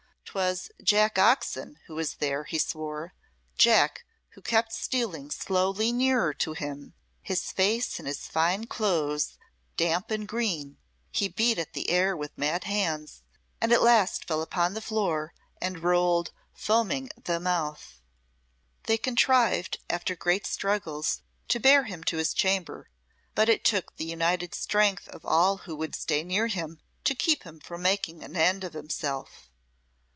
'Twas Jack Oxon who was there, he swore Jack, who kept stealing slowly nearer to him, his face and his fine clothes damp and green, he beat at the air with mad hands, and at last fell upon the floor, and rolled, foaming at the mouth. They contrived, after great strugglings, to bear him to his chamber, but it took the united strength of all who would stay near him to keep him from making an end of himself.